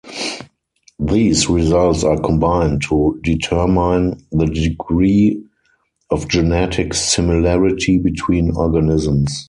These results are combined to determine the degree of genetic similarity between organisms.